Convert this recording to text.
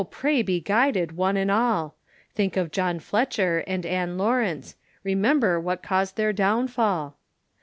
pray be guided one and all, Think of John Fletcher and Ann Lawrence, Remember what caused their downfall.